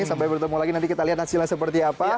sampai bertemu lagi nanti kita lihat hasilnya seperti apa